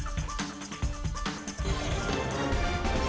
segera kembali tetap bersama kami